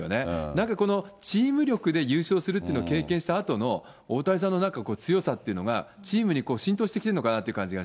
なんか、このチーム力で優勝するというのを経験したあとの大谷さんのなんか強さっていうのが、チームに浸透してきているのかなという感じ